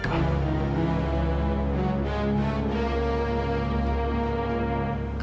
kembali ke amerika